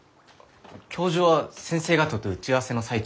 教授は先生方と打ち合わせの最中です。